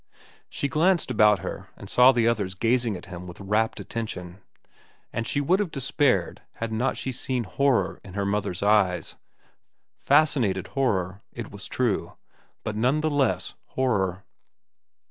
She glanced about her and saw the others gazing at him with rapt attention; and she would have despaired had not she seen horror in her mother's eyes—fascinated horror, it was true, but none the less horror.